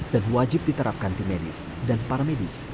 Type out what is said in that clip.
dan wajib diterapkan tim medis dan paramedis